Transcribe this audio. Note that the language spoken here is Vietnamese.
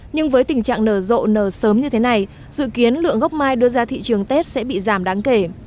nhưng với tình trạng nở rộ nở sớm như thế này dự kiến lượng gốc mai đưa ra thị trường tết sẽ bị giảm đáng kể